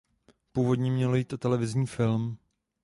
Původně mělo jít o televizní film.